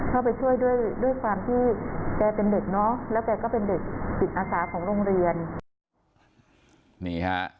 เข้าไปช่วยด้วยด้วยความที่แกเป็นเด็กเนอะแล้วแกก็เป็นเด็กจิตอาสาของโรงเรียนนี่ฮะ